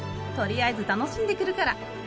とりあえず楽しんでくるから。